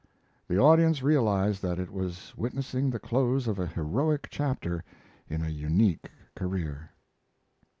The audience realized that it was witnessing the close of a heroic chapter in a unique career.